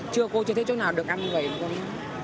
chưa cô chưa thấy chỗ nào được ăn như vậy